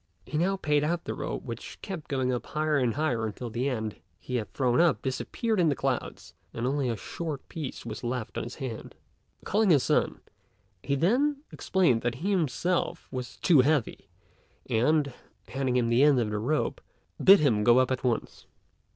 He now paid out the rope which kept going up higher and higher until the end he had thrown up disappeared in the clouds and only a short piece was left in his hands. Calling his son, he then explained that he himself was too heavy, and, handing him the end of the rope, bid him go up at once.